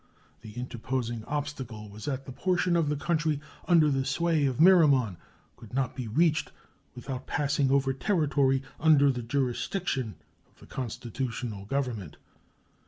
The interposing obstacle was that the portion of the country under the sway of Miramon could not be reached without passing over territory under the jurisdiction of the constitutional Government.